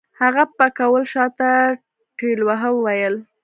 هغه پکول شاته ټېلوهه وويل.